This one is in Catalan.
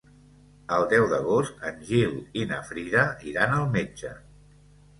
El deu d'agost en Gil i na Frida iran al metge.